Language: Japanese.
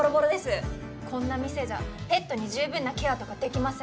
こんな店じゃペットに十分なケアとかできません。